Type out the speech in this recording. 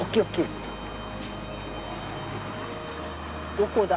どこだ？